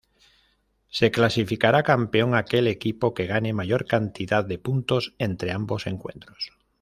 Se clasificará campeón aquel equipo que gane mayor cantidad de puntos entre ambos encuentros.